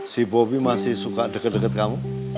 si bobi masih suka deket deket kamu